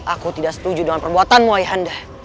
aku tidak setuju dengan perbuatanmu ayah anda